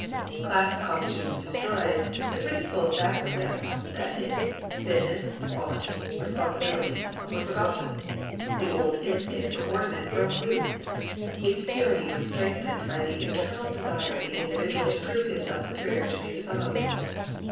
Class costumes destroyed, the principles back of them, that is, fitness, quality, responsibility, were forgotten. The old instinct for ornament broke loose. Its tyranny was strengthened by the eternal desire of the individual to prove himself superior to his fellows.